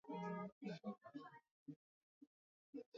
katika mji mkuu Bangui alisema